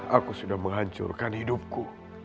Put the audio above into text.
aku sudah menghancurkan hidupku